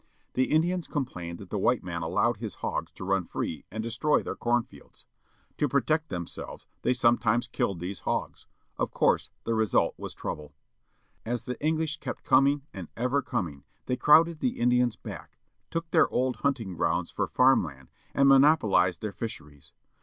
The Indians complained that the white man allowed his hogs to run free and destroy their com fields. To protect them selves they sometimes killed these hogs. Of course the result was trouble. As the English kept coming and ever coming they crowded the Indians back, took their old hunting grounds for farm land, and monopolized their fisheries!